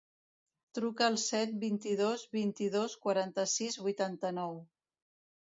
Truca al set, vint-i-dos, vint-i-dos, quaranta-sis, vuitanta-nou.